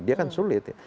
dia kan sulit ya